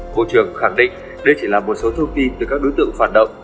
bộ trưởng khẳng định đây chỉ là một số thông tin từ các đối tượng phản động